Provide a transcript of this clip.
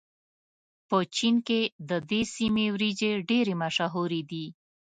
په چين کې د دې سيمې وريجې ډېرې مشهورې دي.